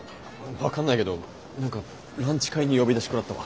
分かんないけど何かランチ会に呼び出し食らったわ。